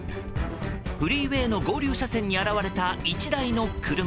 フリーウェイの合流車線に現れた１台の車。